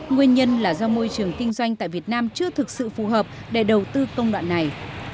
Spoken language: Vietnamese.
nguyên nhân là do môi trường kinh doanh tại việt nam chưa thực sự phù hợp để đầu tư công đoạn này